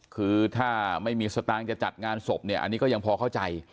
คือถ้าไม่มีสตางค์จะจัดงานศพเนี่ยอันนี้ก็ยังพอเข้าใจ